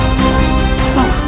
aku harus membantu